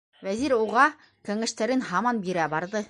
Вәзир уға үҙ кәңәштәрен һаман бирә барҙы.